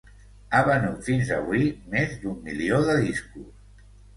Ha venut fins avui més d'un milió de discos.